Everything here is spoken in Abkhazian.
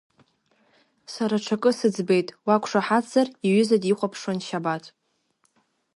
Сара аҽакы сыӡбеит, уақәшаҳаҭзар, иҩыза дихәаԥшуан Шьабаҭ.